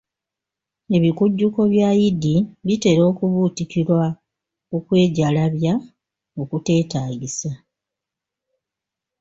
Ebikujjuko bya yidi bitera okubuutikirwa okwejalabya okuteetaagisa